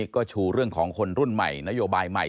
ก็ชูเรื่องของคนรุ่นใหม่นโยบายใหม่